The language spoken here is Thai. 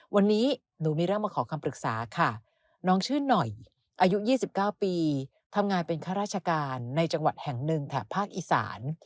วันนี้หนูมีเรื่องมาขอคำปรึกษาค่ะน้องชื่อหน่อยอายุ๒๙ปีทำงานเป็นข้าราชการในจังหวัดแห่งหนึ่งแถบภาคอีสาน